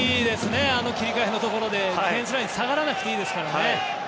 切り返しのところでディフェンスライン下がらなくていいですからね。